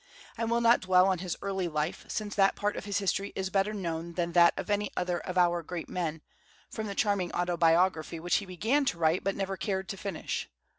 I will not dwell on his early life, since that part of his history is better known than that of any other of our great men, from the charming autobiography which he began to write but never cared to finish.